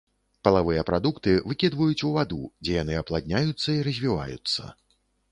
Палавыя прадукты выкідваюць у ваду, дзе яны апладняюцца і развіваюцца.